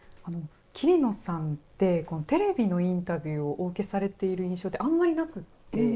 桐野さんって、テレビのインタビューをお受けされている印象って、あんまりなくって。